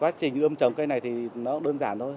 quá trình ươm trồng cây này thì nó đơn giản thôi